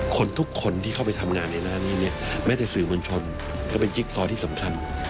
ทุกคนที่เข้าไปทำงานในหน้านี้เนี่ยแม้แต่สื่อมวลชนก็เป็นจิ๊กซอที่สำคัญ